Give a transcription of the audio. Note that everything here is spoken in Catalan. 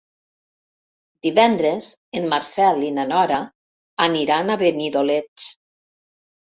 Divendres en Marcel i na Nora aniran a Benidoleig.